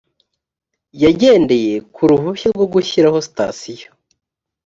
yagendeye ku ruhushya rwo gushyiraho sitasiyo